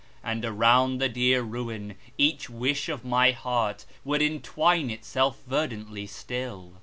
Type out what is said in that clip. And around the dear ruin each wish of my heart Would entwine itself verdantly still.